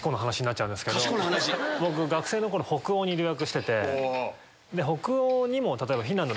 僕学生の頃北欧に留学してて。